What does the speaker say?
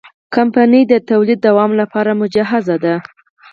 کمپنۍ د تولید دوام لپاره مجهزه ده.